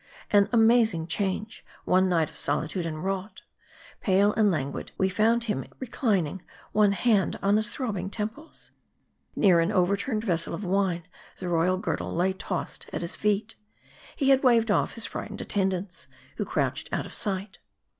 An amazing change, one night of solitude had wrought ! Pale and languid, we found him reclining : one hand on his throbbing temples. Near an overturned vessel of wine, the royal girdle lay tossed at his feet. He had waved off' his frightened attend ants, who crouched out of sight.